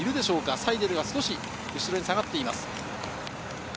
サイデルが少し後ろに下がっています。